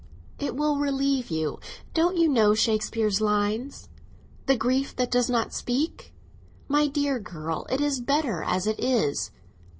"It will relieve you. Don't you know Shakespeare's lines?—'the grief that does not speak!' My dear girl, it is better as it is."